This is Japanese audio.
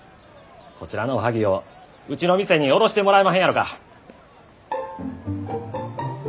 こちらのおはぎをうちの店に卸してもらえまへんやろか。